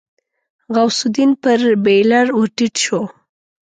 غوث الدين پر بېلر ور ټيټ شو.